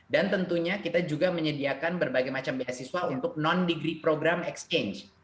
dan tentunya kita juga menyediakan berbagai macam beasiswa untuk non degree program exchange